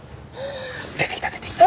出てきた出てきた。